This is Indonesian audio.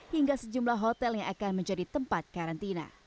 hingga sejumlah hotel yang akan menjadi tempat karantina